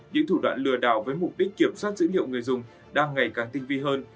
những thủ đoạn lừa đảo với mục đích kiểm soát dữ liệu người dùng đang ngày càng tinh vi hơn